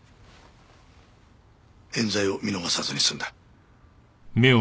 冤罪を見逃さずに済んだ。